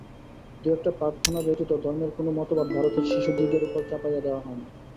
দুই-একটি প্রার্থনা ব্যতীত ধর্মের কোন মতবাদ ভারতের শিশুদিগের উপর চাপাইয়া দেওয়া হয় না।